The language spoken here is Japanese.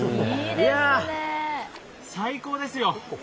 いや、最高ですよ。